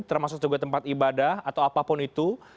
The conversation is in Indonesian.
termasuk juga tempat ibadah atau apapun itu